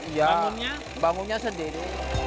ya bangunnya bangunnya sendiri